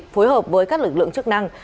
phối hợp với các lực lượng chức năng